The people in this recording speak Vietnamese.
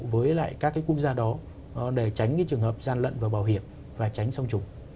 vậy các cái quốc gia đó để tránh cái trường hợp gian lận và bảo hiểm và tránh song trùng